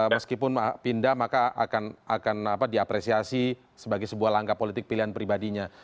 meskipun pindah maka akan diapresiasi sebagai sebuah langkah politik pilihan pribadinya